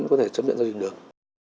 có thể chấp nhận giao dịch được